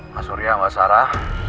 mas surya mbak sarah